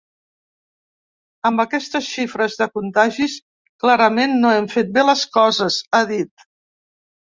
“Amb aquestes xifres de contagis, clarament no hem fet bé les coses”, ha dit.